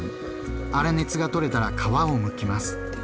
粗熱が取れたら皮をむきます。